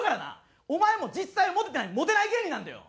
お前も実際はモテてないモテない芸人なんだよ！